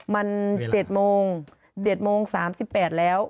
มัน๗โมง๗โมง๓๘แล้ว